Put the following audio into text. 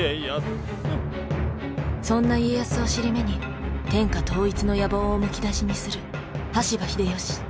そんな家康を尻目に天下統一の野望をむき出しにする羽柴秀吉。